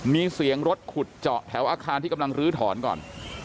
มีเสียงรถขุดเจาะแถวอาคารที่กำลังลื้อถอนก่อน